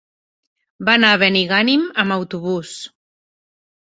Va anar a Benigànim amb autobús.